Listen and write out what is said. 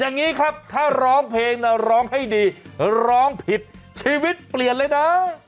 อย่างนี้ครับถ้าร้องเพลงนะร้องให้ดีร้องผิดชีวิตเปลี่ยนเลยนะ